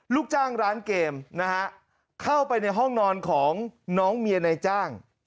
ลูกจ้างร้านเกมนะฮะเข้าไปในห้องนอนของน้องเมียในจ้าง